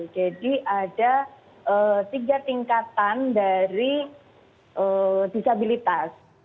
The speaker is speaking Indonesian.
jadi ada tiga tingkatan dari disabilitas